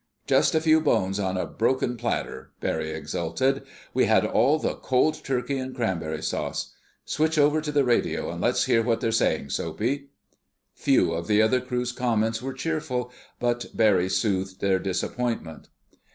"Just a few bones on a broken platter!" Barry exulted. "We had all the cold turkey and cranberry sauce. Switch over to the radio and let's hear what they're saying, Soapy!" Few of the other crew's comments were cheerful, but Barry soothed their disappointment.